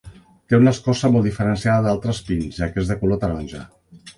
Té una escorça molt diferenciada d'altres pins, ja que és de color taronja.